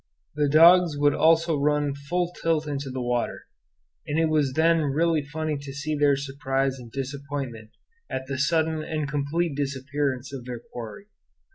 The dogs would also run full tilt into the water, and it was then really funny to see their surprise and disappointment at the sudden and complete disappearance of their quarry.